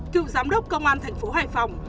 cựu giám đốc công an thành phố hải phòng